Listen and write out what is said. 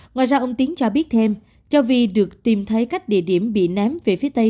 ngoài ra ông tiến cho biết thêm châu vi được tìm thấy cách địa điểm bị ném về phía tây